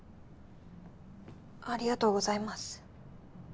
ありがとうございます。